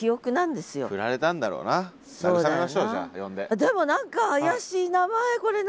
でも何か怪しい名前これ何？